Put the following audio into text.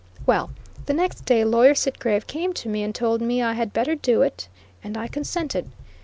Well, the next day Lawyer Sitgreave came to me and told me I had better do it, and I consented.